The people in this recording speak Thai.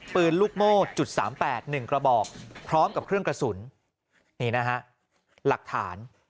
ปืนลูกโม่จุดสามแปดหนึ่งกระบอกพร้อมกับเครื่องกระสุนนี่นะฮะหลักฐาน